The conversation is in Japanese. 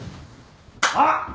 あっ！